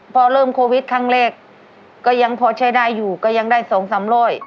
พอเริ่มโควิดครั้งแรกก็ยังพอใช้ได้อยู่ก็ยังได้สองสามร้อย